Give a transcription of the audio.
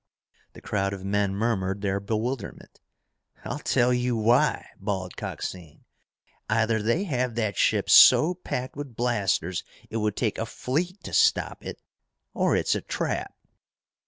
The crowd of men murmured their bewilderment. "I'll tell you why!" bawled Coxine. "Either they have that ship so packed with blasters it would take a fleet to stop it, or it's a trap!"